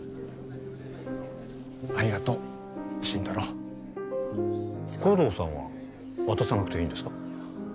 ありがとう心太朗護道さんは渡さなくていいんですか？